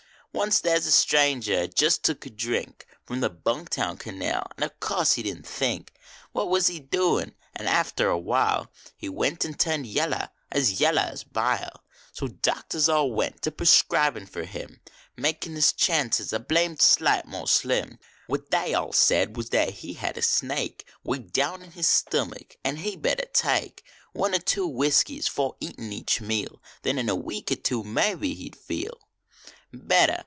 Once they s a stranger at jest took a drink From the Bung Town Canal, an course he didn t think What he was doin , an after awhile He went an turned yeller, as yeller as bile, So doctors all went to perscribin fer him, Makin his chances a blamed sight more slim. THE lU NC TOWN CANAL \\\ What they all said was that he had a siiaik Way down in his stummick an he better take One or two whiskeys Tore eatin each meal, Then in a week er two inebbe he d feel Better.